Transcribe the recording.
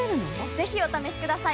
ぜひお試しください！